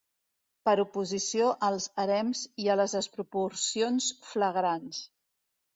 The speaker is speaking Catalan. Per oposició als harems i a les desproporcions flagrants..